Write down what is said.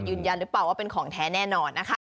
ยืนยันหรือเปล่าว่าเป็นของแท้แน่นอนนะคะ